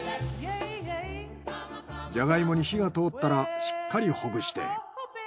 ジャガイモに火が通ったらしっかりほぐして。